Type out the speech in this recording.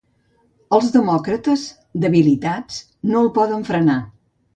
Els demòcrates, debilitats, no el poden frenar.